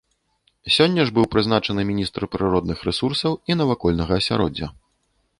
Сёння ж быў прызначаны міністр прыродных рэсурсаў і навакольнага асяроддзя.